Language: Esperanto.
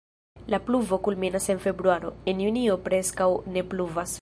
La pluvo kulminas en februaro, en junio preskaŭ ne pluvas.